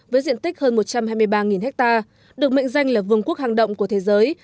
với diện tích hơn một trăm hai mươi ba ha được mệnh danh là vườn quốc hàng động của thế giới